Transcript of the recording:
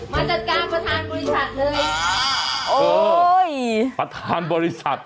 มาจัดการประธานบริษัทเลย